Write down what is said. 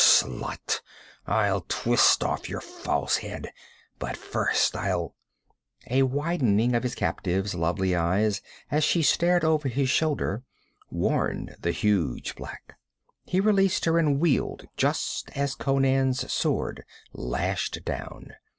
Slut! I'll twist off your false head but first I'll ' A widening of his captive's lovely eyes as she stared over his shoulder warned the huge black. He released her and wheeled, just as Conan's sword lashed down.